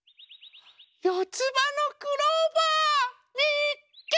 よつばのクローバー！みっけ！